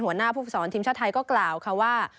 หัวหน้าผู้ฝึกสอนทีมชาติไทยก็กล่าวค่ะว่า